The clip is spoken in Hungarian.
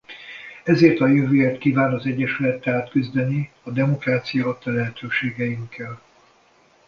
Ezért a jövőért kíván az egyesület tehát küzdeni a demokrácia adta lehetőségeinkkel.